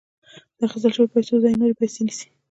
د اخیستل شویو پیسو ځای نورې پیسې نیسي